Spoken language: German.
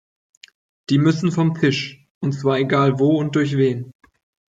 Die müssen vom Tisch, und zwar egal wo und durch wen.